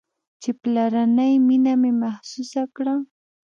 چې پلرنۍ مينه مې محسوسه كړه.